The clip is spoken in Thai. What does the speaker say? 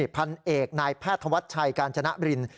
พันเอกนายแพทย์ธวัชชัยกาญจนบริน